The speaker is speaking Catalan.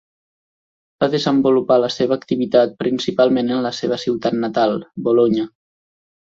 Va desenvolupar la seva activitat principalment en la seva ciutat natal, Bolonya.